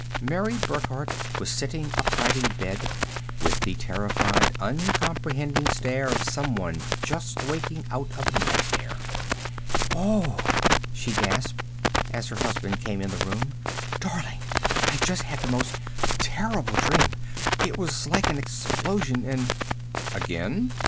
Mary Burckhardt was sitting upright in bed with the terrified, uncomprehending stare of someone just waking out of a nightmare. "Oh!" she gasped, as her husband came in the room. "Darling, I just had the most terrible dream! It was like an explosion and " "Again?"